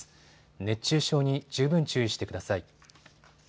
熱中症に十分注意してください。